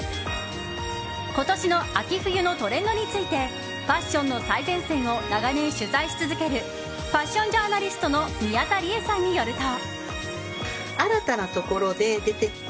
今年の秋冬のトレンドについてファッションの最前線を長年取材し続けるファッションジャーナリストの宮田理江さんによると。